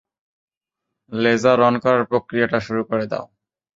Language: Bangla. লেজার অন করার প্রক্রিয়াটা শুরু করে দাও।